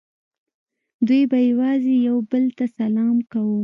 دوی به یوازې یو بل ته سلام کاوه